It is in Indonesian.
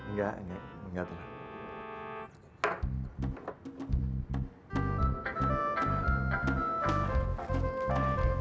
nggak enggak telat